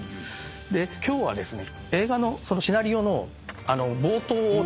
今日はですね。